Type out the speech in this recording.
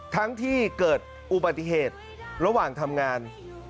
ทั้งที่เกิดอุบัติเหตุระหว่างทำงาน